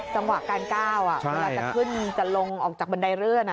จังหวะการก้าวเวลาจะขึ้นจะลงออกจากบันไดเลื่อน